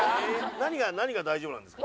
何が何が大丈夫なんですか？